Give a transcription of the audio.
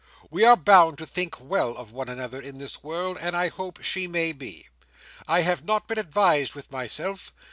We are bound to think well of one another in this world, and I hope she may be. I have not been advised with myself.